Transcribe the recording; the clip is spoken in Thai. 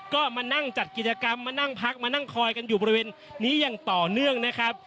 ก็มานั่งจัดกิจกรรมมานั่งพักมานั่งคอยกันอยู่บริเวณนี้อย่างต่อเนื่องนะครับ